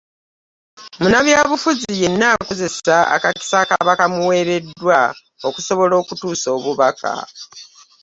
Munnabyabufuzi yenna akozesa akakisa akaba kamuweereddwa okusobola okutuusa obubaka.